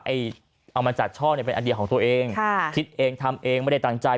เอามาจัดช่อเนี่ยเป็นไอเดียของตัวเองค่ะคิดเองทำเองไม่ได้ตั้งใจ